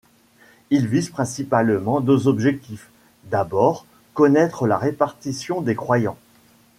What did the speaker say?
Ils visent principalement deux objectifs: d'abord, connaître la répartition des croyants.